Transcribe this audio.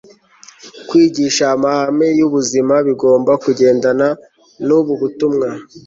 kwigisha amahame y'ubuzima bigomba kugendana n'ubu butumwa